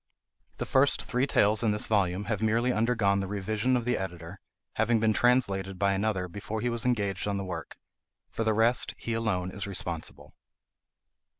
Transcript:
The first three tales in this volume have merely undergone the revision of the editor, having been translated by another before he was engaged on the work. For the rest he alone is responsible.